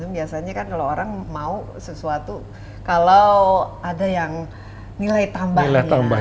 biasanya kan kalau orang mau sesuatu kalau ada yang nilai tambahnya